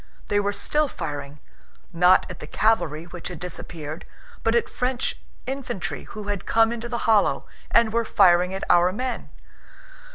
They were still firing, not at the cavalry which had disappeared, but at French infantry who had come into the hollow and were firing at our men.